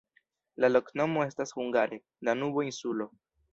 La loknomo estas hungare: Danubo-insulo.